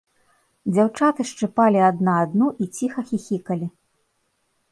Дзяўчаты шчыпалі адна адну і ціха хіхікалі.